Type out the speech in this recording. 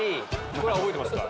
これ覚えてますか？